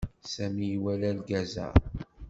Sami iwala argaz-a.